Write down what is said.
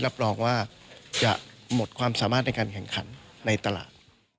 รับรองว่าจะหมดความสามารถในการแข่งขันในตลาด